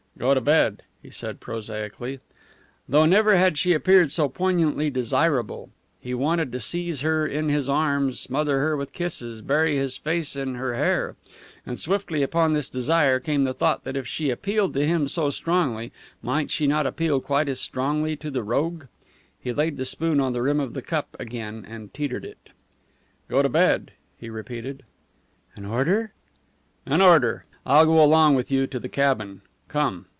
"Go to bed," he said, prosaically. Though never had she appeared so poignantly desirable. He wanted to seize her in his arms, smother her with kisses, bury his face in her hair. And swiftly upon this desire came the thought that if she appealed to him so strongly, might she not appeal quite as strongly to the rogue? He laid the spoon on the rim of the cup again and teetered it. "Go to bed," he repeated. "An order?" "An order. I'll go along with you to the cabin. Come!"